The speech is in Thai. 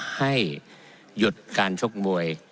ให้หยุดการชกมวย